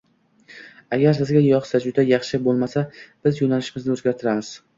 Agar sizga yoqsa, juda yaxshi, boʻlmasa biz yoʻnalishimizni oʻzgartiramiz.